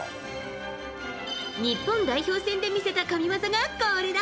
日本代表戦で見せた神技が、これだ。